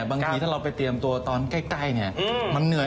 บางทีถ้าเราไปเตรียมตัวตอนใกล้มันเหนื่อย